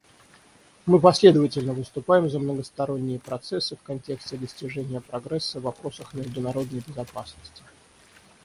Мы последовательно выступаем за многосторонние процессы в контексте достижения прогресса в вопросах международной безопасности.